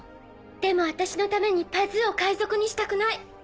でも私のためにパズーを海賊にしたくない。